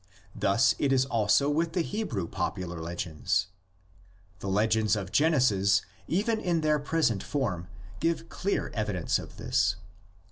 Thus it is also with the Hebrew popular legends. The legends of Genesis even in their present form give clear evidence of this.